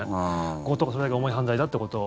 強盗がそれだけ重い犯罪だってことを。